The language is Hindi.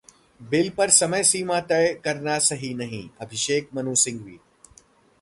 बिल पर समयसीमा तय करना सही नहीं: अभिषेक मनु सिंघवी